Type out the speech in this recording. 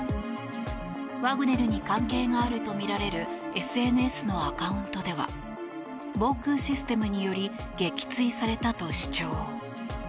ワグネルに関係があるとみられるＳＮＳのアカウントでは防空システムにより撃墜されたと主張。